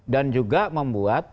dan juga membuat